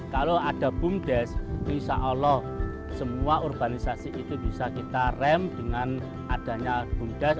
kalau ada bum des insya allah semua urbanisasi itu bisa kita rem dengan adanya bum des